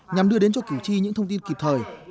nhằm đưa đến cho cử tri những thông tin kịp thời